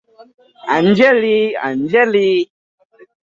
আঞ্জলি - আঞ্জলি।